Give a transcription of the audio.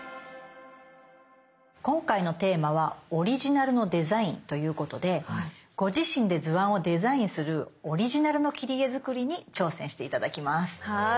今回のテーマは「オリジナルのデザイン」ということでご自身で図案をデザインするオリジナルの切り絵作りに挑戦して頂きます。